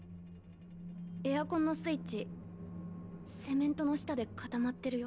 エアコンのスイッチセメントの下で固まってるよ。